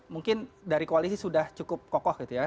mungkin dari koalisi sudah cukup kokoh gitu ya